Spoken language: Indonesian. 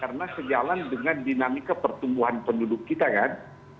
karena sejalan dengan dinamika pertumbuhan penduduk kita kan